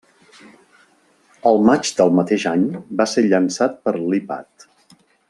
Al maig del mateix any, va ser llançat per l'iPad.